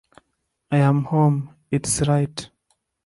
I'm home, it's right.